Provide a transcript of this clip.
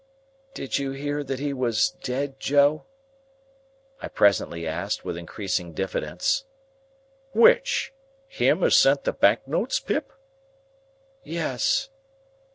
"Did you hear that he was dead, Joe?" I presently asked, with increasing diffidence. "Which? Him as sent the bank notes, Pip?" "Yes."